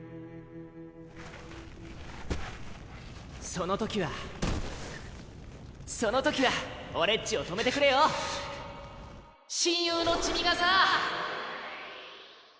そのときはそのときは俺っちを止めてくれよ親友のチミがさ